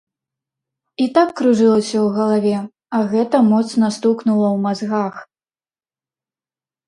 І так кружылася ў галаве, а гэта моцна стукнула ў мазгах.